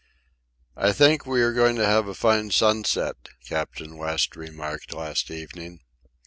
"I think we are going to have a fine sunset," Captain West remarked last evening.